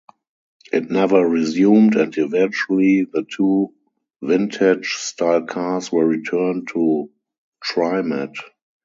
It never resumed, and eventually the two vintage-style cars were returned to TriMet.